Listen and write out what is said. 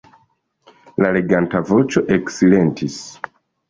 La leganta voĉo eksilentis.